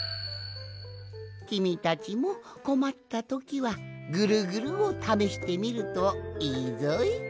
きみたちもこまったときはぐるぐるをためしてみるといいぞい。